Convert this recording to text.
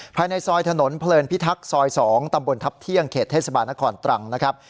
ภายในซอยถนนเพลินพิทักษ์ซอย๒ตำบลทัพเที่ยงเขตเทศบาลนครตรังนะครับ